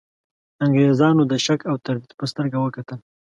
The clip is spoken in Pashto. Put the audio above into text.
انګرېزانو د شک او تردید په سترګه وکتل.